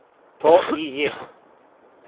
То и је.